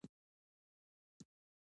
دماغ د خوبونو جوړونکی دی.